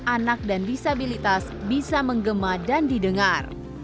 anak dan disabilitas bisa menggema dan didengar